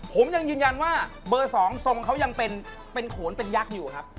ผมยังยืนยันว่าเบอร์๒ทรงเขายังเป็นโขนเป็นยักษ์อยู่ครับ